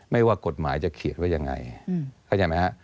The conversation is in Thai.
ว่ากฎหมายจะเขียนว่ายังไงเข้าใจไหมฮะ